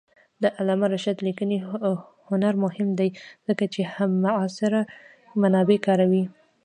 د علامه رشاد لیکنی هنر مهم دی ځکه چې همعصر منابع کاروي.